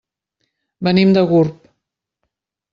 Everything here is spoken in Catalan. Venim de Gurb.